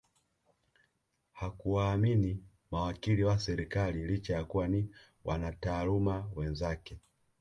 Hakuwaamini mawakili wa serikali licha ya kuwa ni wanataaluma wenzake